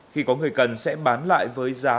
khi có người cần sẽ bán lại với giá